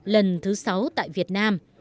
lần thứ sáu tại việt nam